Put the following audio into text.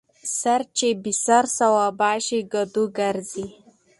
ـ سر چې بې سر سوابه شي کدو ګرځي.